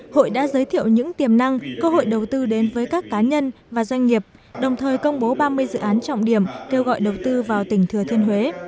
hội đã giới thiệu những tiềm năng cơ hội đầu tư đến với các cá nhân và doanh nghiệp đồng thời công bố ba mươi dự án trọng điểm kêu gọi đầu tư vào tỉnh thừa thiên huế